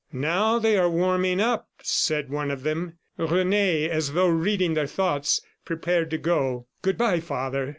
"Now they are warming up," said one of them. Rene, as though reading their thoughts, prepared to go. "Good bye, father!"